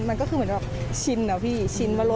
มันก็คือเหมือนชินนะพี่ชินว่ารถ